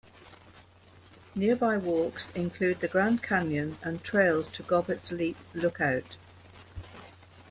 Nearby walks include the Grand Canyon and trails to Govetts Leap lookout.